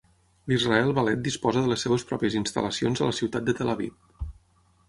L'Israel Ballet disposa de les seves pròpies instal·lacions a la ciutat de Tel Aviv.